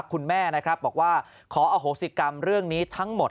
คุณแม่นะครับบอกว่าขออโหสิกรรมเรื่องนี้ทั้งหมด